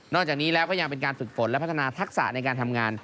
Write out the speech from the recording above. จากนี้แล้วก็ยังเป็นการฝึกฝนและพัฒนาทักษะในการทำงาน